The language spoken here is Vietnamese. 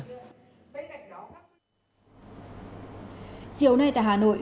chiều nay tại hà nội